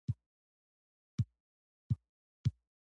هغه د منظر په بڼه د مینې سمبول جوړ کړ.